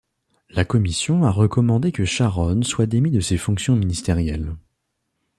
La Commission a recommandé que Sharon soit démis de ses fonctions ministérielles.